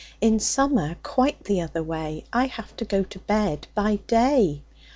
In summer, quite the other way, I have to go to bed by day.